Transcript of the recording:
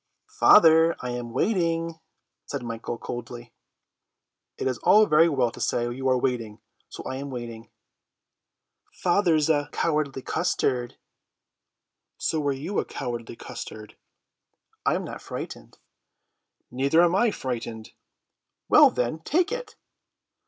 "Father, I am waiting," said Michael coldly. "It's all very well to say you are waiting; so am I waiting." "Father's a cowardly custard." "So are you a cowardly custard." "I'm not frightened." "Neither am I frightened." "Well, then, take it."